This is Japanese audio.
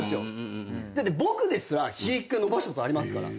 だって僕ですらひげ１回伸ばしたことありますから。